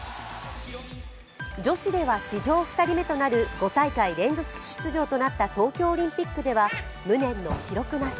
女子では史上２人目となる５大会連続出場となった東京オリンピックでは無念の記録なし。